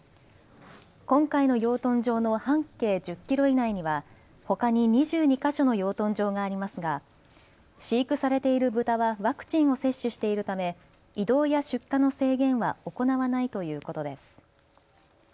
今回の養豚場の半径１０キロ以内にはほかに２２か所の養豚場がありますが、飼育されているブタはワクチンを接種しているため移動や出荷の制限は行わないということです。